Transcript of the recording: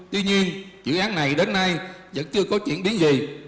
tuy nhiên dự án này đến nay vẫn chưa có chuyển biến gì